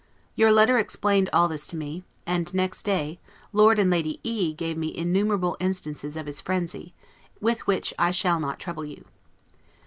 Your letter explained all this to me; and next day, Lord and Lady E gave me innumerable instances of his frenzy, with which I shall not trouble you.